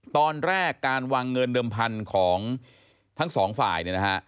ตอนแรกการวางเงินเดิมพันธุ์ของทั้งสองฝ่ายเนี่ยนะฮะ